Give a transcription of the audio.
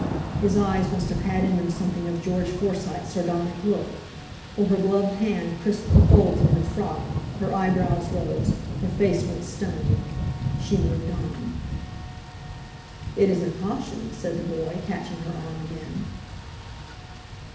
His eyes must have had in them something of George Forsyte's sardonic look; for her gloved hand crisped the folds of her frock, her eyebrows rose, her face went stony. She moved on. "It is a caution," said the boy, catching her arm again.